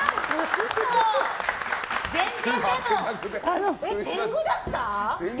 全然、天狗だった？